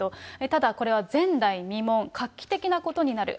ただこれは前代未聞、画期的なことになる。